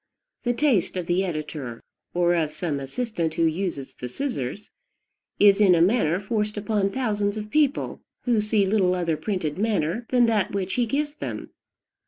The taste of the editor, or of some assistant who uses the scissors, is in a manner forced upon thousands of people, who see little other printed matter than that which he gives them.